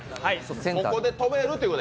ここで止めるということだ。